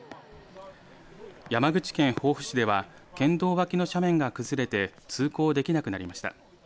山口県防府市では県道脇の斜面が崩れて通行できなくなりました。